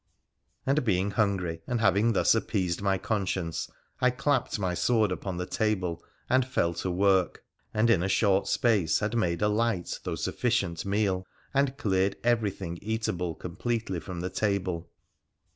And being hungry, and having thus appeased my conscience, I clapped my sword upon the table and fell to work, and in a short space had made a light though sufficient meal, and cleared everything eatable completely from the table.